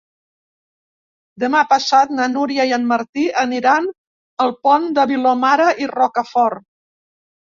Demà passat na Núria i en Martí aniran al Pont de Vilomara i Rocafort.